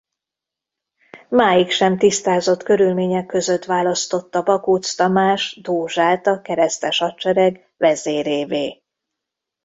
Máig sem tisztázott körülmények között választotta Bakócz Tamás Dózsát a keresztes hadsereg vezérévé.